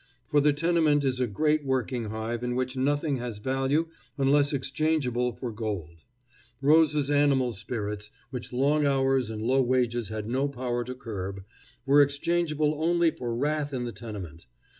For the tenement is a great working hive in which nothing has value unless exchangeable for gold. Rose's animal spirits, which long hours and low wages had no power to curb, were exchangeable only for wrath in the tenement.